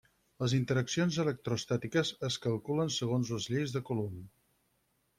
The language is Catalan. Les interaccions electroestàtiques es calculen segons les lleis de Coulomb.